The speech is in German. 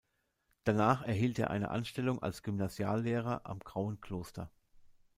Danach erhielt er eine Anstellung als Gymnasiallehrer am "Grauen Kloster".